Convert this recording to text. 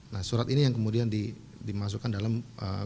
nah surat ini yang kemudian dimasukkan dalam